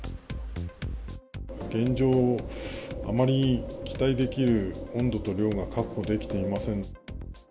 現状、あまり期待できる温度と量が確保できていません。